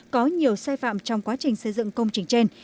có nhiều sai phạm trong quá trình xây dựng công trình trên